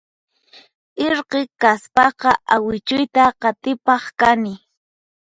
Irqi kaspaqa awichuyta qatipaq kani